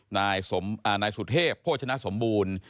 นายสุเทพโภชนสมบูรณ์